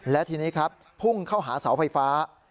และทีนี้ครับพุ่งเข้าหาเสาไฟฟ้า